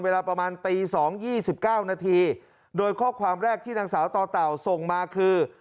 เวลาประมาณตีสองยี่สิบเก้านาทีโดยข้อความแรกที่นางเสาต่อต่าวส่งมาคือ